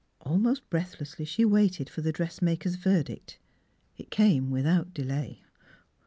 Almost breathlessly she waited for the dressmaker's verdict. It came without delay.